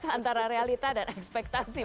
antara realita dan ekspektasi